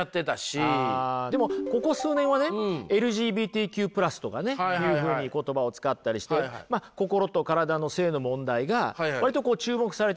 でもここ数年はねＬＧＢＴＱ＋とかねいうふうに言葉を使ったりして心と体の性の問題が割とこう注目されてますよね。